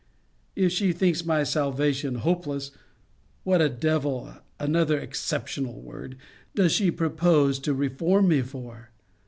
If she thinks my salvation hopeless, what a devil [another exceptionable word!] does she propose to reform me for?